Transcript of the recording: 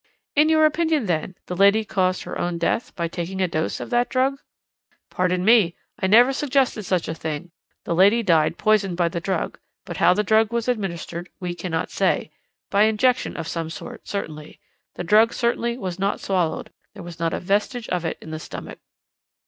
"'In your opinion, then, the lady caused her own death by taking a dose of that drug?' "'Pardon me, I never suggested such a thing; the lady died poisoned by the drug, but how the drug was administered we cannot say. By injection of some sort, certainly. The drug certainly was not swallowed; there was not a vestige of it in the stomach.'